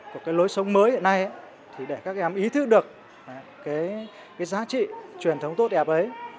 của cái lối sống mới hiện nay thì để các em ý thức được cái giá trị truyền thống tốt đẹp ấy